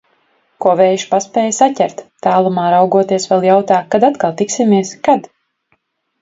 Ko vējš paspēja saķert. Tālumā raugoties vēl jautā, kad atkal tiksimies? Kad?